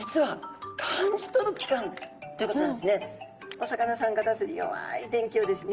お魚さんが出す弱い電気をですね